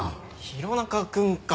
弘中くんか。